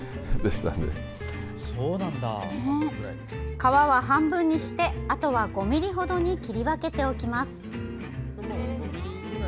皮は、半分にしてあとは５ｍｍほどに切り分けておきます。